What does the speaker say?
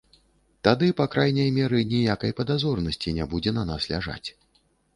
Тады, па крайняй меры, ніякай падазронасці не будзе на нас ляжаць.